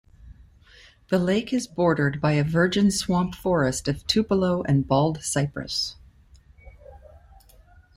The lake is bordered by a virgin swamp forest of tupelo and bald cypress.